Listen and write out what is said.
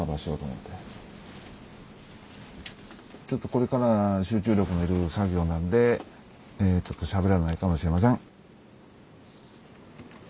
ちょっとこれからは集中力のいる作業なんでえちょっとしゃべらないかもしれません！